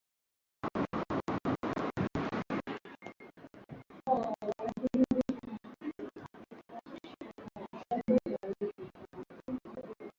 The call letters reflected the word facts.